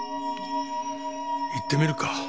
行ってみるか。